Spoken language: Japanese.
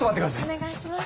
お願いします。